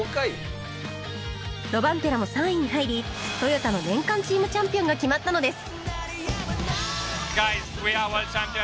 ロバンペラも３位に入りトヨタの年間チームチャンピオンが決まったのです